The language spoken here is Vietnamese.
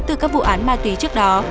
từ các vụ án ma túy trước đó